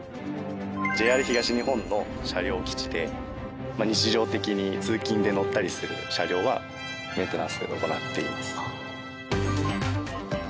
ＪＲ東日本の車両基地で日常的に通勤で乗ったりする車両はメンテナンスを行っています。